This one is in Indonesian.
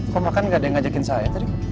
kok makan gak ada yang ngajakin saya